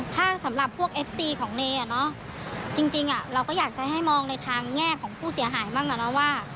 ถ้าสำหรับพวกเอฟซีของเนยจริงเราก็อยากจะให้มองในทางแง่ของผู้เสียหายบ้างอ่ะเนาะว่า